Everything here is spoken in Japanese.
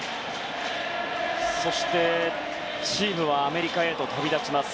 そしてチームはアメリカへと旅立ちます。